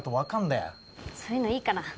そういうのいいから。